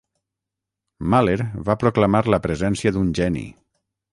Mahler va proclamar la presència d'un geni.